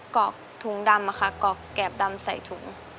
กรอกถุงดำค่ะกรอกแกบดำใส่ถุง